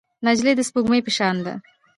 نجلۍ د سپوږمۍ په شان ده.